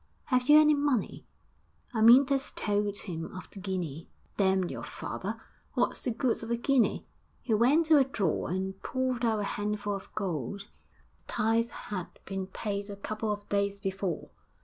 'Have you any money?' Amyntas told him of the guinea. 'Damn your father! What's the good of a guinea?' He went to a drawer and pulled out a handful of gold the tithes had been paid a couple of days before.